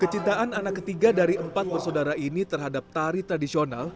kecintaan anak ketiga dari empat bersaudara ini terhadap tari tradisional